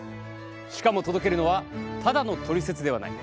しかも届けるのはただのトリセツではない。